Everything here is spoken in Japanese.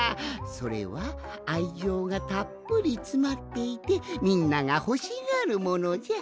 それはあいじょうがたっぷりつまっていてみんながほしがるものじゃ。